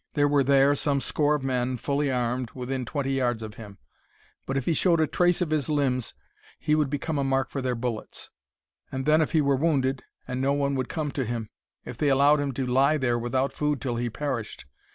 There were there some score of men, fully armed, within twenty yards of him. If he but showed a trace of his limbs he would become a mark for their bullets. And then if he were wounded, and no one would come to him! If they allowed him to lie there without food till he perished!